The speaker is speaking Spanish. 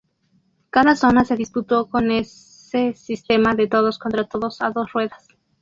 Cada zona se disputó con es sistema de todos contra todos a dos ruedas.